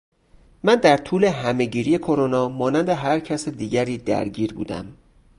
من در طول همهگیری کرونا مانند هر کس دیگری درگیر بودهام